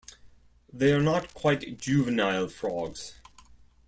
They are not quite juvenile frogs.